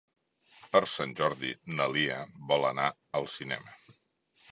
Per Sant Jordi na Lia vol anar al cinema.